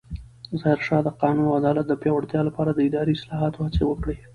ظاهرشاه د قانون او عدالت د پیاوړتیا لپاره د اداري اصلاحاتو هڅې وکړې.